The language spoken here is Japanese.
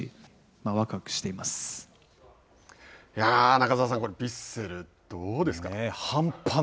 中澤さん、ヴィッセルどうですか。